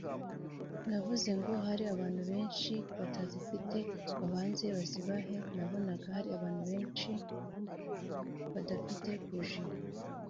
navuze ngo hari abantu benshi batazifite babanze bazibahe nabonaga hari abantu benshi badafite buji